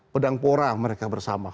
pedang pora mereka bersama